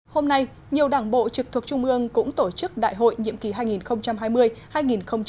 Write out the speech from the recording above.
hôm nay nhiều đảng bộ trực thuộc trung ương cũng tổ chức đại hội nhiệm kỳ hai nghìn hai mươi hai nghìn hai mươi năm